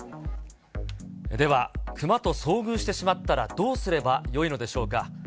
では、クマと遭遇してしまったら、どうすればよいのでしょうか。